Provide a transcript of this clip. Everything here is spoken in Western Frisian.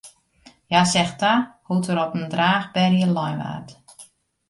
Hja seach ta hoe't er op in draachberje lein waard.